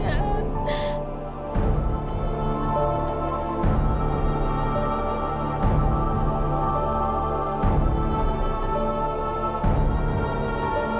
seharusnya tuan tunggu linguat